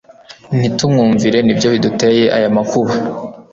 ntitumwumvire ni byo biduteye aya makuba